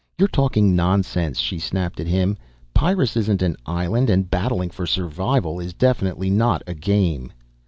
"You're talking nonsense," she snapped at him. "Pyrrus isn't an island and battling for survival is definitely not a game."